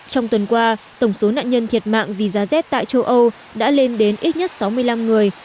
trong tuần qua tổng số nạn nhân thiệt mạng vì giá z tại châu âu đã lên đến ít nhất sáu mươi năm người